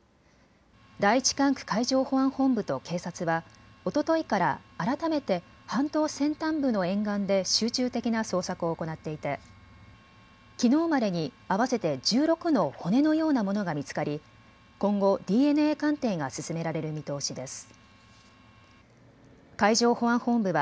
第１管区海上保安本部と警察はおとといから改めて半島先端部の沿岸で集中的な捜索を行っていてきのうまでに合わせて１６の骨のようなものが見つかり今後、ＤＮＡ鑑定が進められる見通しです。